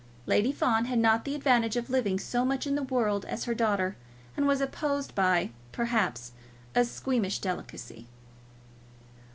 Lady Fawn had not the advantage of living so much in the world as her daughter, and was oppressed by, perhaps, a squeamish delicacy.